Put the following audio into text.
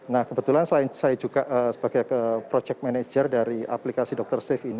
nah kebetulan selain saya juga sebagai project manager dari aplikasi dr safe ini